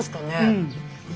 うん。